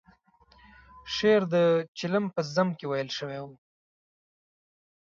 شعر د چلم په ذم کې ویل شوی و.